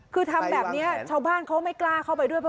คือทำแบบนี้เฉากลางเขาไม่กล้าเข้าไปด้วย